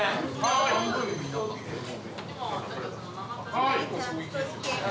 はい！